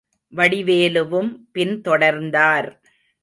வடிவேலுவும் பின் தொடர்ந்தார்.